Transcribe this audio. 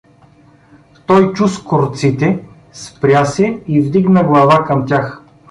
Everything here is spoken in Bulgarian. Той чу скорците, спря се и вдигна глава към тях.